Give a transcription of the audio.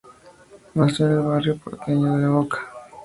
Nació en el barrio porteño de La Boca.